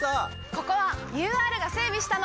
ここはＵＲが整備したの！